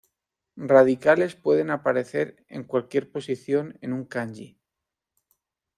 Radicales pueden aparecer en cualquier posición en un Kanji.